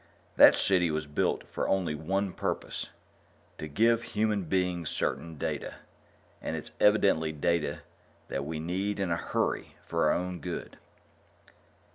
"That city was built for only one purpose to give human beings certain data. And it's evidently data that we need in a hurry, for our own good."